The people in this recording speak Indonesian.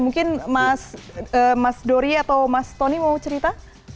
mungkin mas dori atau mas tony mau cerita